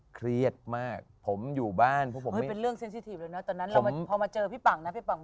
เครียดมากผมอยู่บ้านว่าผมมาหามาเจอพี่ฝั่ง